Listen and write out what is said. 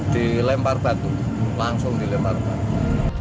dilempar batu langsung dilempar batu